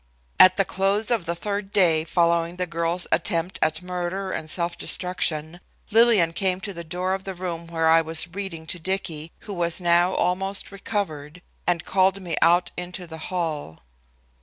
At the close of the third day following the girl's attempt at murder and self destruction, Lillian came to the door of the room where I was reading to Dicky, who was now almost recovered, and called me out into the hall.